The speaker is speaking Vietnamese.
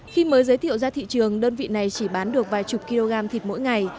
khi mới giới thiệu ra thị trường đơn vị này chỉ bán được vài chục kg thịt mỗi ngày